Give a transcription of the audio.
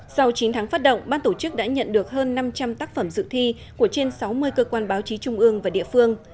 sau chín tháng phát động ban tổ chức đã nhận được hơn năm trăm linh tác phẩm dự thi của trên sáu mươi cơ quan báo chí trung ương và địa phương